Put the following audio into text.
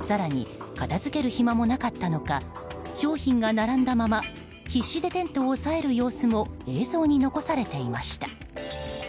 更に、片づける暇もなかったのか商品が並んだまま必死でテントを押さえる様子も映像に残されていました。